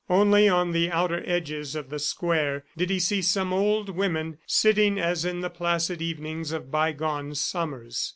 Only on the outer edges of the square did he see some old women sitting as in the placid evenings of bygone summers.